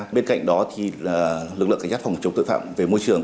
bên cạnh đó thì lực lượng cảnh sát phòng chống tội phạm về môi trường